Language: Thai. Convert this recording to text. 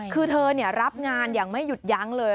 คือเธอรับงานอย่างไม่หยุดยั้งเลย